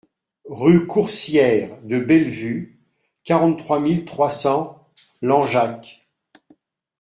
Rue Coursière de Bellevue, quarante-trois mille trois cents Langeac